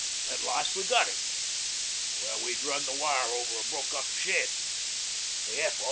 At last we got it, where we'd run the wire over a broke up shed. The F.O.